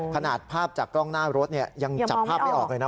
ภาพจากกล้องหน้ารถเนี่ยยังจับภาพไม่ออกเลยนะ